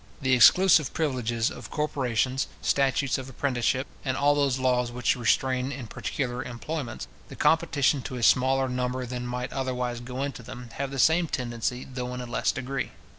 The exclusive privileges of corporations, statutes of apprenticeship, and all those laws which restrain in particular employments, the competition to a smaller number than might otherwise go into them, have the same tendency, though in a less degree.